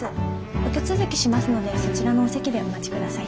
お手続きしますのでそちらのお席でお待ちください。